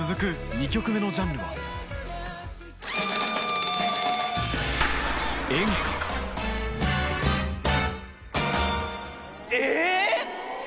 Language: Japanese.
２曲目のジャンルはえぇ！